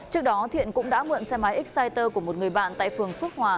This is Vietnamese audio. trước đó thiện cũng đã mượn xe máy exciter của một người bạn tại phường phước hòa